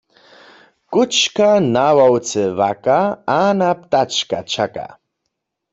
Kóčka na ławce łaka a na ptačka čaka.